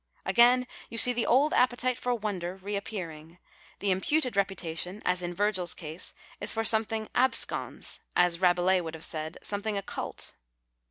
Again you see the old appetite for wonder reappearing. The imputed reputation, as in Virgil's case, is for something abscons, as Rabelais would have said, something occult.